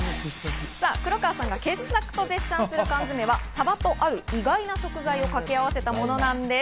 黒川さんが傑作と絶賛するのはサバと意外な食材を掛け合わせたものなんです。